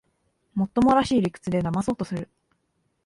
もっともらしい理屈でだまそうとする